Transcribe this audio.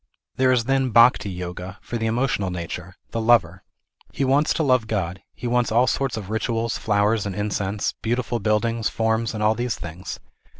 There is then Bhakti Yoga, for the emotional nature, the lover. He wants to love God, he wants all sorts of rituals, flowers, and incense, beautiful buildings, forms and all these things.